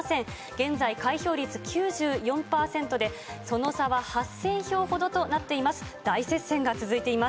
現在、開票率９４％で、その差は８０００票ほどとなっています。